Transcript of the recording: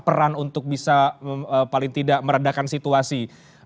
peran untuk bisa paling tidak meredakan situasi